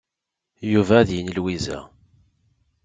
Yuba ad yini i Lwiza.